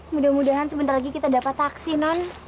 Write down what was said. mudah mudahan sebentar lagi kita dapat taksi non